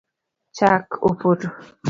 Chak opoto